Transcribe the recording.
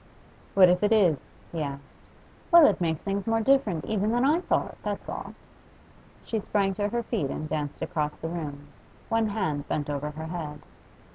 'What if it is?' he asked. 'Well, it makes things more different even than I thought, that's all.' She sprang to her feet and danced across the room, one hand bent over her head.